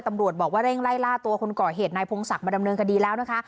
ตำรวจบอกว่าเร่งไล่ล่าตัวคนก่อเหตุนายพงศักดิ์มาดำเนินคดีแล้วนะคะ